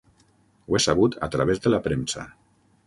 Ho he sabut a través de la premsa.